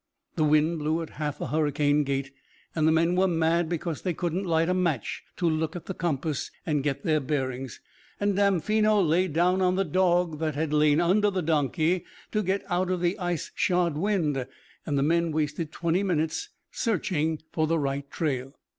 The wind blew at half a hurricane gait, and the men were mad because they couldn't light a match to look at the compass and get their bearings, and Damfino laid down on the dog that had lain under the donkey to get out of the ice shod wind, and the men wasted twenty minutes searching for the right trail.